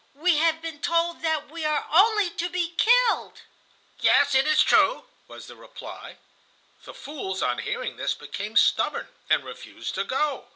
We have been told that we are only to be killed." "Yes, that is true," was the reply. The fools on hearing this became stubborn and refused to go.